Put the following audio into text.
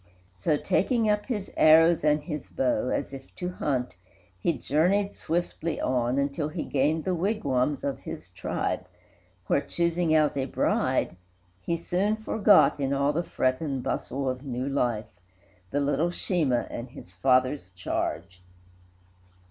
So, taking up his arrows and his bow, As if to hunt, he journeyed swiftly on, Until he gained the wigwams of his tribe, Where, choosing out a bride, he soon forgot, In all the fret and bustle of new life, The little Sheemah and his father's charge.